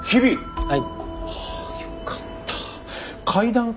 はい。